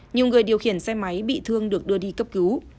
nhiều người điều khiển xe máy bị thương được đưa đi cấp cứu